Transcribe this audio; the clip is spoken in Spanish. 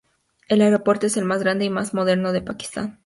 El aeropuerto es el más grande y más moderno de Pakistán.